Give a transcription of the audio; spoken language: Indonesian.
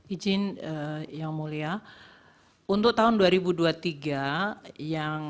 izin yang mulia untuk tahun dua ribu dua puluh tiga yang